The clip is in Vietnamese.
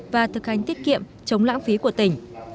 và thực hành tiết kiệm chống lãng phí của tỉnh